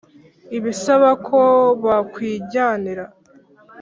ibasaba ko bakwijyanira.